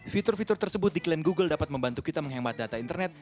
fitur fitur tersebut diklaim google dapat membantu kita menghemat data internet